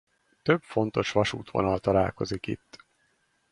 Több fontos vasútvonal találkozik itt.